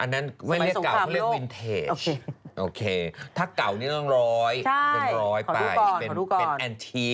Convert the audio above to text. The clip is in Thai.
นั้นไม่เรียกเก่าเขาเรียกวินเทจโอเคถ้าเก่านี้ต้องร้อยเป็นร้อยไปเป็นแอนที